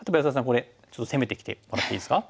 これちょっと攻めてきてもらっていいですか？